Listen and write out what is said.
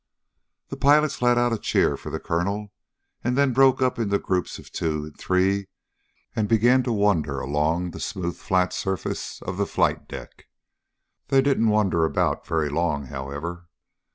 The pilots let out a cheer for the colonel and then broke up into groups of two and three and began to wander along the smooth flat surface of the flight deck. They didn't wander about very long, however.